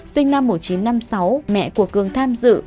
sinh năm một nghìn chín trăm năm mươi sáu mẹ của cường tham dự